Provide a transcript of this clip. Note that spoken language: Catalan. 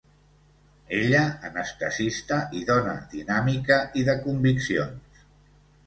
Ella, anestesista i dona dinàmica i de conviccions.